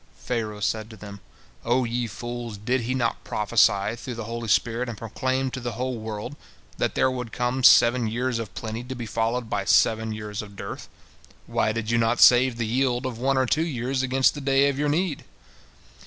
Pharaoh said to them: "O ye fools, did he not prophesy through the holy spirit and proclaim to the whole world, that there would come seven years of plenty to be followed by seven years of dearth? Why did you not save the yield of one or two years against the day of your need?"